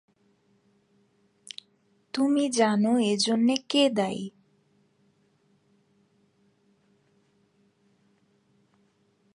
তুমি জান এজন্যে কে দায়ী?